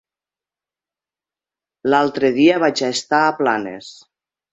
L'altre dia vaig estar a Planes.